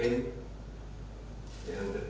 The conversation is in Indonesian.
yang dekat dengan rakyat